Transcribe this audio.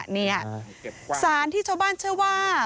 นี่สารที่ชาวบ้านเชื่อว่า